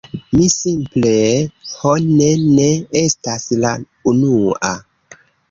Mi simple... ho, ne, ne estas la unua.